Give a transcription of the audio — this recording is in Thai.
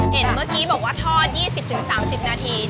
เห็นเมื่อกี้บอกว่าทอด๒๐๓๐นาที